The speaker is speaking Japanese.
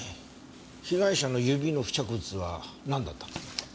被害者の指の付着物はなんだったの？